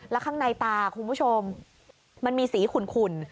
แล้วข้างในตาคุณผู้ชมมันมีสีขุ่น